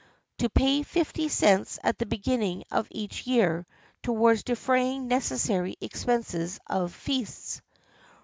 To pay fifty cents at the beginning of each year towards defraying necessary expenses of feasts.